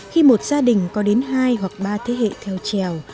khi một gia đình có đến hai hoặc ba thế hệ theo trèo